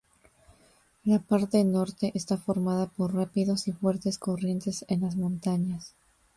La parte norte está formada por rápidos y fuertes corrientes en las montañas.